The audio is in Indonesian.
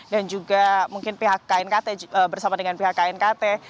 dan juga mungkin pihak knkt bersama dengan pihak knkt